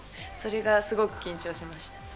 それがすごく緊張しました。